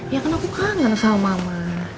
ya kan aku kangen sama mama